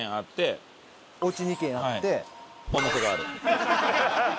お店がある。